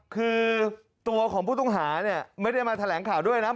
คือตัวของผู้ต้องหาเนี่ยไม่ได้มาแถลงข่าวด้วยนะ